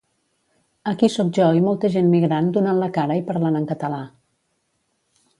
Aquí sóc jo i molta gent migrant donant la cara i parlant en català.